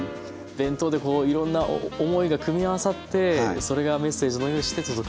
弁当でいろんな思いが組み合わさってそれがメッセージのようにして届くと。